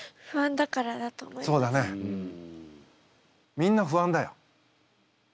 みんな不安だよ。